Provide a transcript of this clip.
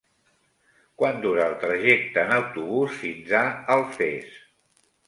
Quant dura el trajecte en autobús fins a Alfés?